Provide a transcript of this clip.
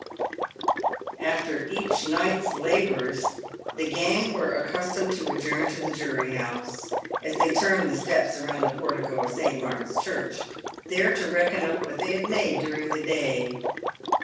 After each night's labours, the gang were accustomed to adjourn to the Jury house, as they termed the steps around the portico of St. Martin's Church, there to reckon up what they had made during the day.